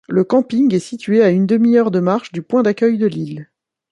Le camping est situé à une demi-heure de marche du point d'accueil de l'île.